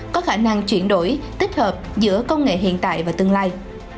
có khả năng chuyển đổi tích hợp giữa công nghệ hiện tại và tương lai